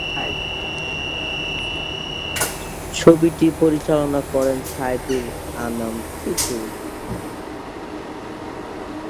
ছবিটি পরিচালনা করেন সাইদুল আনাম টুটুল।